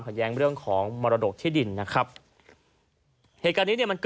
แย้งเรื่องของมรดกที่ดินนะครับเหตุการณ์นี้เนี่ยมันเกิด